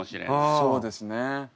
そうですね。